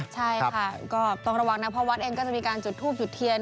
ใช่ค่ะก็ต้องระวังนะเพราะวัดเองก็จะมีการจุดทูบจุดเทียน